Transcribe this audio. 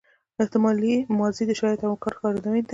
احتمالي ماضي د شاید او امکان ښکارندوی ده.